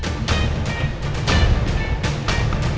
tidak przypadku ini lagi banyak jantung mama